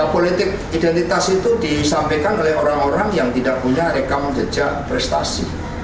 politik identitas itu disampaikan oleh orang orang yang tidak punya rekam jejak prestasi